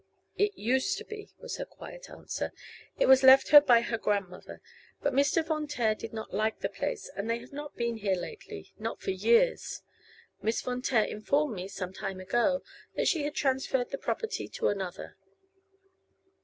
"It used to be," was her quiet answer. "It was left her by her grandmother; but Mr. Von Taer did not like the place and they have not been here lately not for years. Miss Von Taer informed me, some time ago, that she had transferred the property to another."